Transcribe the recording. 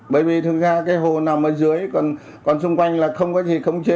bởi vì thường ra cái hồ nằm ở dưới còn xung quanh là không có gì không chế